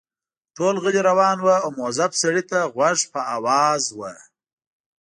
ټول غلي روان وو او مؤظف سړي ته غوږ په آواز وو.